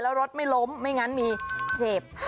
แล้วรถไม่ล้มไม่งั้นมีเสพ